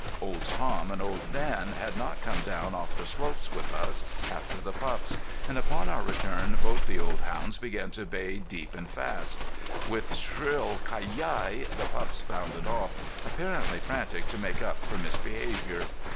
Old Tom and Old Dan had not come down off the slopes with us after the pups. And upon our return both the old hounds began to bay deep and fast. With shrill ki yi the pups bounded off, apparently frantic to make up for misbehavior.